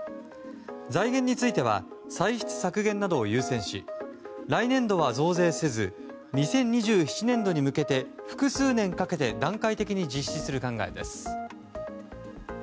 財源については歳出削減などを優先し来年度は増税せず２０２７年度に向けて複数年かけて段階的に実施する考えです。